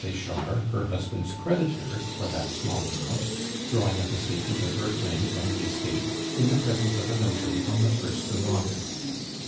Sechard her husband's creditor for that small amount, drawing up a statement of her claims on the estate in the presence of a notary on the 1st of August.